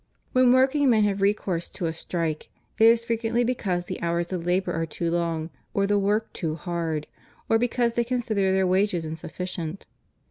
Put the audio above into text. When working men have recourse to a strike, it is fre quently because the hours of labor are too long, or the work too hard, or because they consider their wages insufficient.